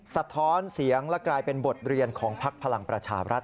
สะท้อนเสียงและกลายเป็นบทเรียนของพักพลังประชารัฐ